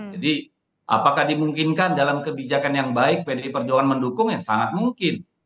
jadi apakah dimungkinkan dalam kebijakan yang baik pdi perjuangan mendukung sangat mungkin